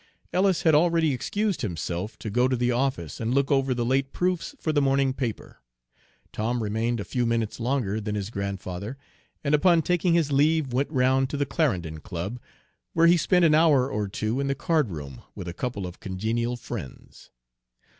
Ellis had already excused himself to go to the office and look over the late proofs for the morning paper. Tom remained a few minutes longer than his grandfather, and upon taking his leave went round to the Clarendon Club, where he spent an hour or two in the card room with a couple of congenial friends.